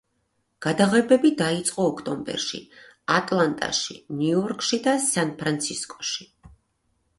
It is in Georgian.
გადაღებები დაიწყო ოქტომბერში, ატლანტაში, ნიუ-იორკში და სან-ფრანცისკოში.